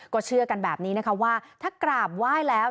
ก็เชื่อกันแบบนี้นะคะว่าถ้ากราบไหว้แล้ว